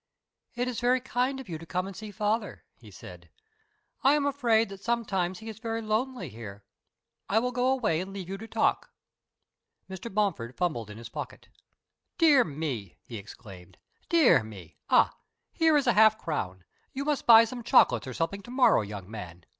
"It is very kind of you to come and see father," he said. "I am afraid that sometimes he is very lonely here. I will go away and leave you to talk." Mr. Bomford fumbled in his pocket. "Dear me!" he exclaimed. "Dear me! Ah, here is a half crown! You must buy some chocolates or something to morrow, young man.